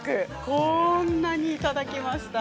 こんなにいただきました。